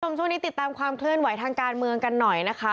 ช่วงนี้ติดตามความเคลื่อนไหวทางการเมืองกันหน่อยนะคะ